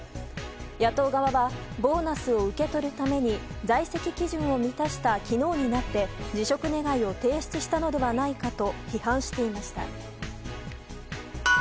野党側はボーナスを受け取るために在籍基準を満たした昨日になって辞職願を提出したのではないかと批判していました。